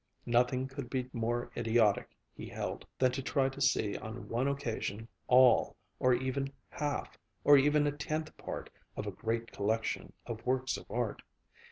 Nothing could be more idiotic, he held, than to try to see on one occasion all, or even half, or even a tenth part, of a great collection of works of art.